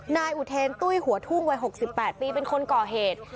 นายอุเทนตุ้ยหัวทุ่งวัย๖๘ปีเป็นคนก่อเหตุ